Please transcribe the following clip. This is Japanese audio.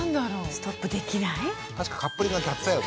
ストップできない？